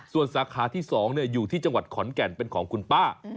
ส่วนสาขาที่๒อยู่ที่จังหวัดขอนแก่นเป็นของคุณป้า